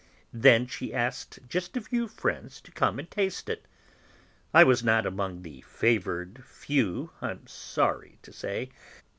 Then she asked just a few friends to come and taste it. I was not among the favoured few, I'm sorry to say.